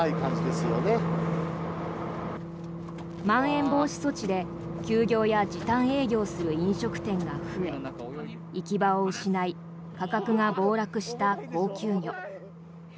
まん延防止措置で休業や時短営業する飲食店が増え行き場を失い価格が暴落した高級魚。